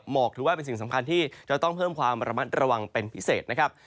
ถือว่าเป็นสิ่งสำคัญที่จะต้องเพิ่มความระมัดระวังเป็นพิเศษนะครับ